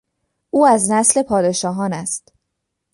او از نسل پادشاهان است.